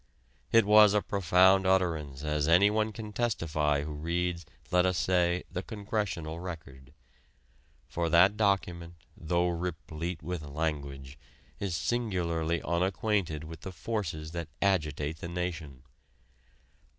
It was a profound utterance as anyone can testify who reads, let us say, the Congressional Record. For that document, though replete with language, is singularly unacquainted with the forces that agitate the nation.